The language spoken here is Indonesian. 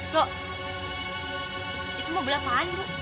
lo itu mau belapaan bu